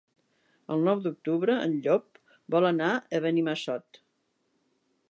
El nou d'octubre en Llop vol anar a Benimassot.